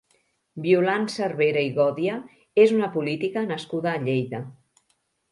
Violant Cervera i Gòdia és una política nascuda a Lleida.